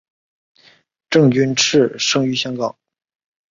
郑君炽生于香港。